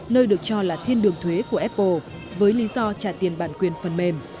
nơi được cho là thiên đường thuế của apple với lý do trả tiền bản quyền phần mềm